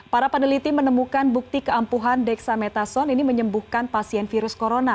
para peneliti menemukan bukti keampuhan dexamethasone ini menyembuhkan pasien virus corona